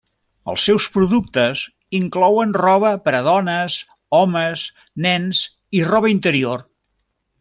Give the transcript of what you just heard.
Els seus productes inclouen roba per a dones, homes, nens i roba interior.